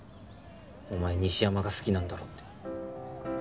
お前西山が好きなんだろって。